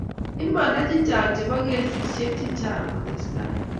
Imanda chechang' chebo kesishek chechang ko testai